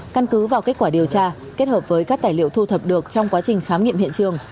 căn cứ vào kết quả điều tra kết hợp với các tài liệu thu thập được trong quá trình khám nghiệm hiện trường